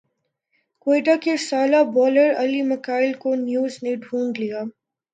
کوئٹہ کے سالہ بالر علی میکائل کو نیو زنے ڈھونڈ لیا